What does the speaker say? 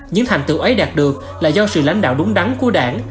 những thành tựu ấy đạt được là do sự lãnh đạo đúng đắn của đảng